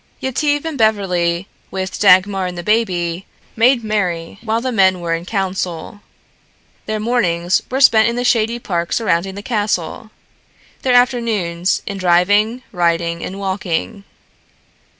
Yetive and Beverly, with Dagmar and the baby, made merry while the men were in council. Their mornings were spent in the shady park surrounding the castle, their afternoons in driving, riding and walking.